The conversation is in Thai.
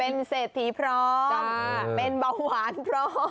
เป็นเศรษฐีพร้อมเป็นเบาหวานพร้อม